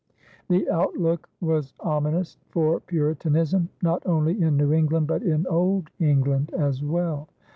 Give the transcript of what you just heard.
The outlook was ominous for Puritanism, not only in New England but in old England as well.